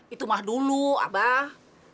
itu mah dulu abah